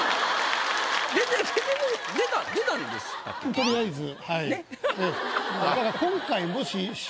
取りあえずはい。